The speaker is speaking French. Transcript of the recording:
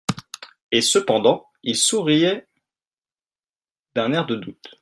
Et cependant, il souriait d'un air de doute.